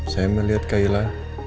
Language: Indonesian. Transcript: saya melihat kayla